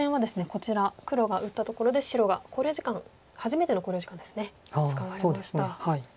こちら黒が打ったところで白が考慮時間初めての考慮時間ですね使われました。